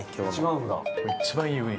一番いい。